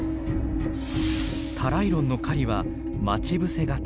タライロンの狩りは待ち伏せ型。